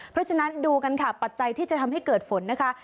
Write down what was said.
เพราะฉะนั้นดูกันค่ะปัจจัยที่จะทำให้เกิดฝนนะคะ